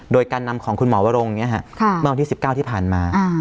โดยการนำของคุณหมอวโรงเนี้ยฮะค่ะเมื่อวันที่สิบเก้าที่ผ่านมาอ่า